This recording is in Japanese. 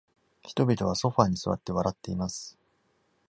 人々はソファに座って笑っています。